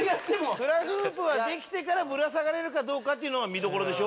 フラフープができてからぶら下がれるかっていうのが見どころでしょ。